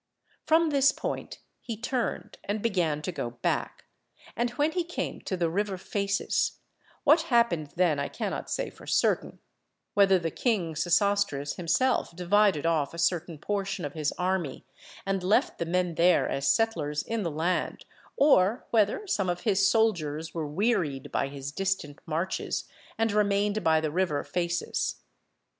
From this point he turned and began to go back; and when he came to the river Phasis, what happened then I cannot say for certain, whether the king Sesostris himself divided off a certain portion of his army and left the men there as settlers in the land, or whether some of his soldiers were wearied by his distant marches and remained by the river Phasis.